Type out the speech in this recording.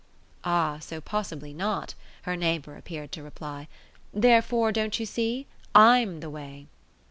"Ah so possibly not," her neighbour appeared to reply; "therefore, don't you see? I'M the way."